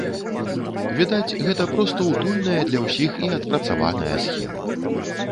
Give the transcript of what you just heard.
Відаць, гэта проста утульная для ўсіх і адпрацаваная схема.